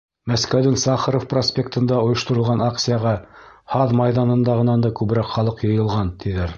Мәскәүҙең Сахаров проспектында ойошторолған акцияға Һаҙ майҙанындағынан да күберәк халыҡ йыйылған, тиҙәр.